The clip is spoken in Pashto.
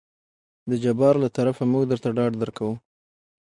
د جبار له طرفه موږ درته ډاډ درکو.